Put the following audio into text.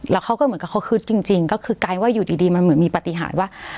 แล้วเขาก็เหมือนกับเขาฮึดจริงก็คือกลายว่าอยู่ดีมันเหมือนมีปฏิหารว่า